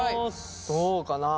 どうかなあ。